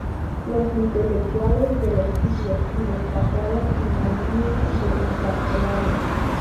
Los intelectuales de los siglos y destacaron en la nómina de encarcelados.